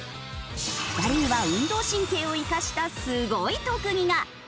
２人には運動神経を生かしたすごい特技が！